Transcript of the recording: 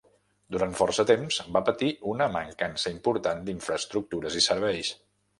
Durant força temps va patir una mancança important d'infraestructures i serveis.